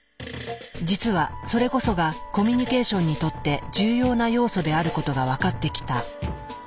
実はそれこそがコミュニケーションにとって重要な要素であることが分かってきた。